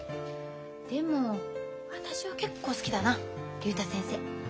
でも私は結構好きだな竜太先生。